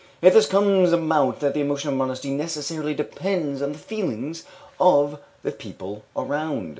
It thus comes about that the emotion of modesty necessarily depends on the feelings of the people around.